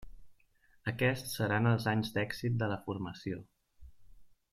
Aquests seran els anys d'èxit de la formació.